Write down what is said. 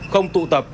không tụ tập